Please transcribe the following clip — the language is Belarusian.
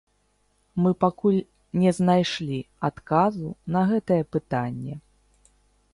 Мы пакуль не знайшлі адказу на гэтае пытанне.